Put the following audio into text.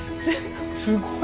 すごい。